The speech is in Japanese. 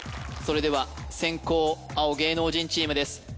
それでは先攻青芸能人チームです